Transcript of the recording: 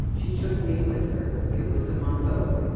She took me with her. It was a month old.